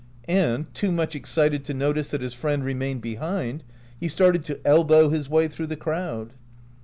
And, too much excited to notice that his friend remained behind, he started to elbow his way through the crowd.